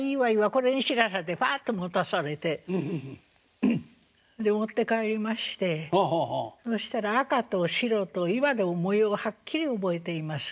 これにしなさい」ってパッと持たされてで持って帰りましてそしたら赤と白と今でも模様はっきり覚えています。